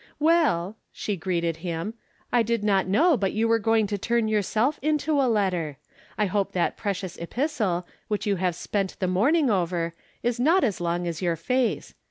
" Y/cU," she greeted him, " I did not Icqow but you were going to turn yourself into a letter ! I hope that precious epistle, which you have spent the morning over, h not as long as your face.